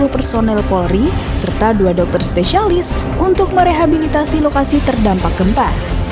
lima puluh personel polri serta dua dokter spesialis untuk merehabilitasi lokasi terdampak gempa